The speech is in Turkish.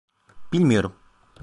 Bilmiyorum...